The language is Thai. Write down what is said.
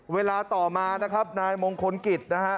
เวลาต่อมานะครับนายมงคลกิจนะฮะ